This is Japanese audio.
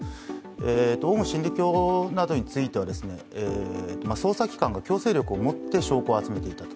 オウム真理教などについては捜査機関が強制力をもって証拠を集めていたと。